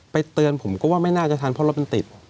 เตือนผมก็ว่าไม่น่าจะทันเพราะรถมันติด